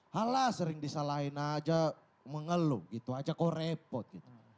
halah sering disalahin aja mengeluh gitu aja kok repot gitu